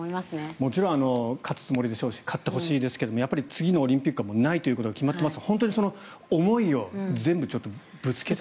もちろん勝つつもりでしょうし勝ってほしいですけど次のオリンピックはもうないということが決まっていますから本当にその思いを全部ぶつけて。